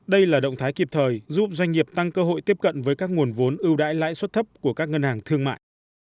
đây là động thái kịp thời giúp doanh nghiệp tăng cơ hội tiếp cận với các nguồn vốn ưu đãi lãi suất thấp của các ngân hàng thương mại